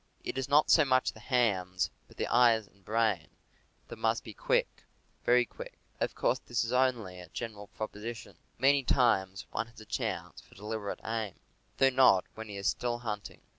It is not so much the hands, but the eyes and brain, that must be quick, very quick. MARKSMANSHIP IN THE WOODS 97 Of course, this is only a general proposition. Many times one has a chance for deliberate aim (though not often when he is still hunting).